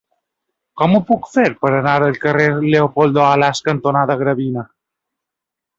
Com ho puc fer per anar al carrer Leopoldo Alas cantonada Gravina?